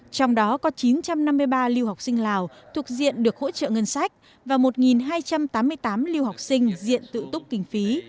trong đó có chín trăm năm mươi ba lưu học sinh lào thuộc diện được hỗ trợ ngân sách và một hai trăm tám mươi tám lưu học sinh diện tự túc kinh phí